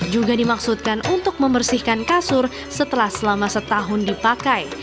juga dimaksudkan untuk membersihkan kasur setelah selama setahun dipakai